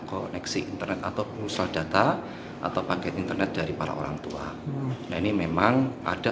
koneksi internet atau berusaha data atau paket internet dari para orang tua nah ini memang ada